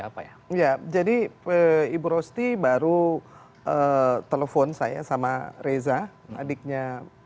apa ya jadi ibu rosti baru telepon saya sama reza adiknya